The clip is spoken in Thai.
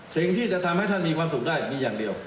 สิ่งที่จะทำให้ท่านมีความสุขได้มีอย่างเดียว